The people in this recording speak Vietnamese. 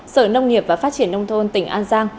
sở nông nghiệp và phát triển nông thôn tỉnh an giang